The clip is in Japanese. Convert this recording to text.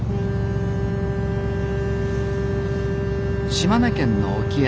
島根県の沖合。